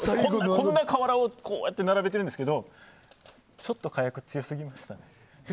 こんなふうに瓦を並べているんですがちょっと火薬、強すぎましたね。